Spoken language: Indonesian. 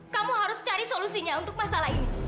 kamu harus cari solusinya untuk masalah ini